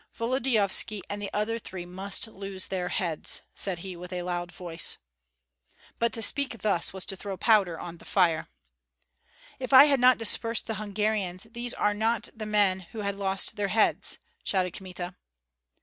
"Volodyovski and the other three must lose their heads," said he, with a loud voice. But to speak thus was to throw powder on fire. "If I had not dispersed the Hungarians, these are not the men who had lost their heads," shouted Kmita.